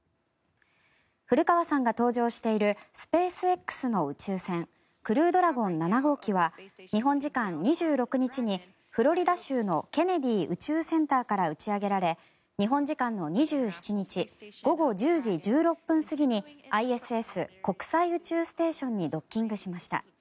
古川さんが搭乗しているスペースＸの宇宙船クルードラゴン７号機は日本時間２６日にフロリダ州のケネディ宇宙センターから打ち上げられ日本時間の２７日午後１０時１６分過ぎにＩＳＳ・国際宇宙ステーションにドッキングしました。